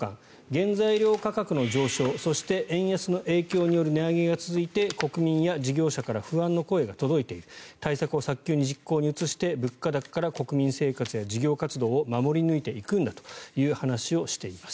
原材料価格の上昇そして、円安の影響による値上げが続いて国民や事業者から不安の声が届いている対策を早急に実行に移して物価高から国民生活や事業活動を守り抜いていくんだという話をしています。